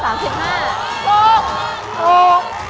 ถูก